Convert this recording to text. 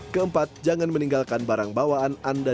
keempat jangan meninggalkan barang bawaan anda